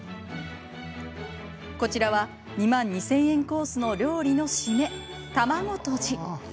こちらは２万２０００円コースの料理の締め、卵とじ。